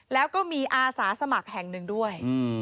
แล้วก็มีอาสาสมัครแห่งหนึ่งด้วย